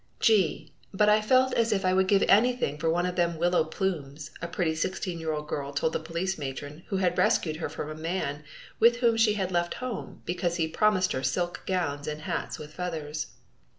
"Gee, but I felt as if I would give anything for one of them willow plumes," a pretty sixteen year old girl told the police matron who had rescued her from a man with whom she had left home, because he promised her silk gowns and hats with feathers.